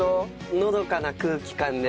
のどかな空気感で。